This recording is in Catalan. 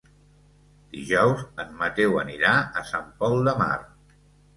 Dijous en Mateu anirà a Sant Pol de Mar.